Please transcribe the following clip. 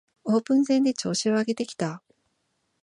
オープン戦で調子を上げてきた